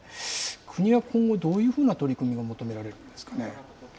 国は今後、どういうふうな取り組みを求められるんですかね。